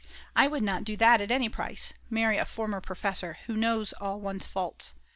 I would not do that at any price, marry a former professor, who knows all one's faults.